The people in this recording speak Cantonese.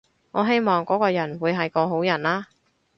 我希望嗰個人會係個好人啦